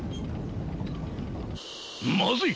まずい！